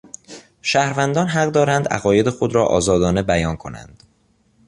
شهروندان حق دارند عقاید خود را آزادانه بیان کنند.